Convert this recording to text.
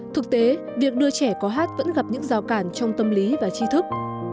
thực tế việc đưa trẻ có hát vẫn gặp những rào cản trong tâm lý và chi thức